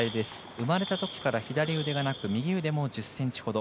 生まれたときから左腕がなく右腕も１０ｃｍほど。